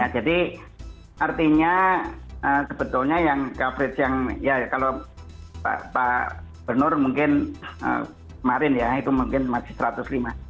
jadi artinya sebetulnya yang coverage yang ya kalau pak benur mungkin kemarin ya itu mungkin masih satu ratus lima